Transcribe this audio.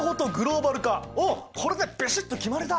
うんこれでビシッと決まりだ！